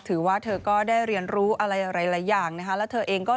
ถือว่าเธอก็ได้เรียนรู้อะไรหลายอย่างนะคะแล้วเธอเองก็